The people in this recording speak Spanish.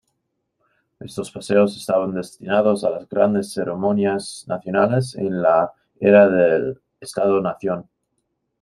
Estos paseos estaban destinados a las grandes ceremonias nacionales en la era del Estado-nación.